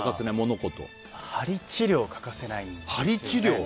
はり治療が欠かせないんです。